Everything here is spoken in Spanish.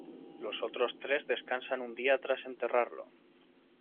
Los otros tres descansan un día tras enterrarlo.